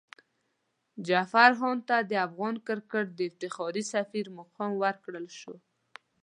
جعفر هاند ته د افغان کرکټ د افتخاري سفیر مقام ورکړل شو.